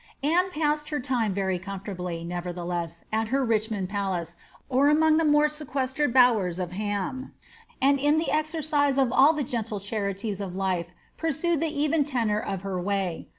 Anne passed her time ^ery comfortably, nevertheless, at her Rich mond Palace, or among the more sequestered bowers of Ham,' and in the exercise of all the gende charities of life pursued the even tenor of her way.